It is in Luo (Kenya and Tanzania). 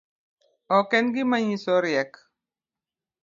Ok en gima nyiso riek